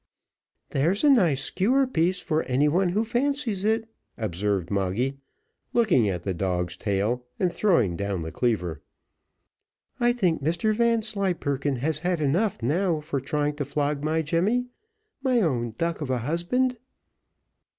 "There's a nice skewer piece for anyone who fancies it," observed Moggy, looking at the dog's tail, and throwing down the cleaver. "I think Mr Vanslyperken has had enough now for trying to flog my Jemmy my own duck of a husband."